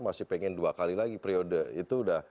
masih ingin dua kali lagi periode itu sudah